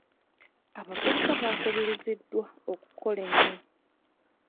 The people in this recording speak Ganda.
Abavubuka bakubirizibwa okukola ennyo.